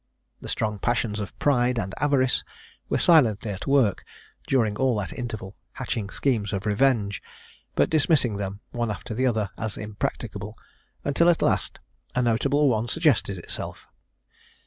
The strong passions of pride and avarice were silently at work during all that interval, hatching schemes of revenge, but dismissing them one after the other as impracticable, until, at last, a notable one suggested itself.